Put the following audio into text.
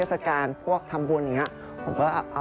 สมัยเด็กก็จะบอกบ้านไม่มีตังค์หรือเปล่า